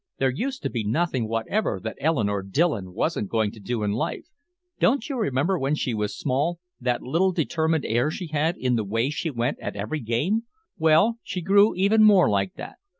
There used to be nothing whatever that Eleanore Dillon wasn't going to do in life. Don't you remember, when she was small, that little determined air she had in the way she went at every game? Well, she grew even more like that.